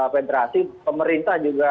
federasi pemerintah juga